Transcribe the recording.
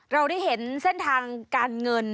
เราได้เห็นเส้นทางการเงิน